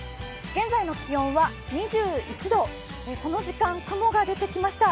現在の気温は２１度、この時間雲が出てきました。